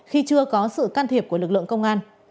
khi chưa có sự can thiệp của lực lượng công an